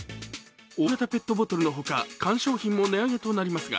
大型ペットボトルのほか、缶商品も値上げとなりますが